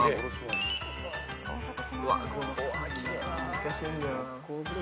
難しいんだよな。